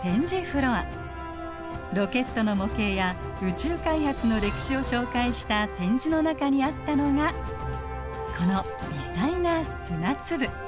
ロケットの模型や宇宙開発の歴史を紹介した展示の中にあったのがこの微細な砂粒。